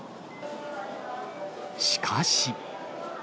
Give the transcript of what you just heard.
しかし。